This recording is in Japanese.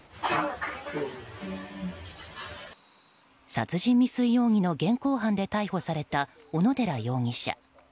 殺人未遂容疑の現行犯で逮捕された小野寺容疑者。